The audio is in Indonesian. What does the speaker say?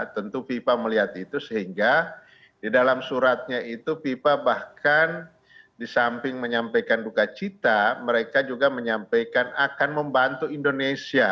tentu fifa melihat itu sehingga di dalam suratnya itu fifa bahkan di samping menyampaikan duka cita mereka juga menyampaikan akan membantu indonesia